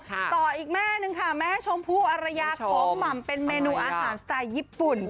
ต่ออีกแม่หนึ่งค่ะแม่ชมพู่อารยาของหม่ำเป็นเมนูอาหารสไตล์ญี่ปุ่น